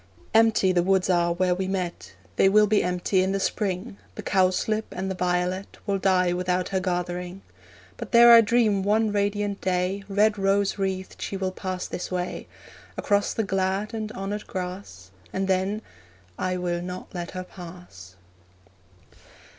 Empty the woods are where we met They will be empty in the spring; The cowslip and the violet Will die without her gathering. But dare I dream one radiant day Red rose wreathed she will pass this way Across the glad and honoured grass; And then I will not let her pass.